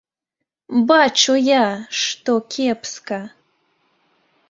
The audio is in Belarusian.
Бачу я, што кепска.